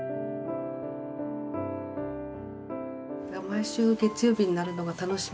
毎週月曜日になるのが楽しみで。